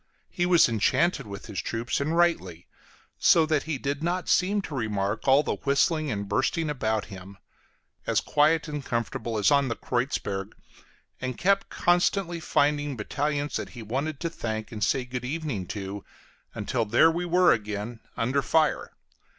He was enchanted with his troops, and rightly, so that he did not seem to remark all the whistling and bursting about him; as quiet and comfortable as on the Kreuzberg, and kept constantly finding battalions that he wanted to thank and say good evening to, until there we were again under fire.